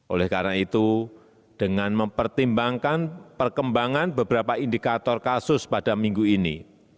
oleh karena itu dengan mempertimbangkan perkembangan beberapa indikator kasus pada minggu ini